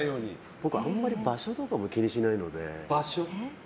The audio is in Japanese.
僕あまり場所とかも気にしないので。